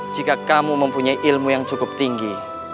jika kamu mempunyai ilmu yang cukup tinggi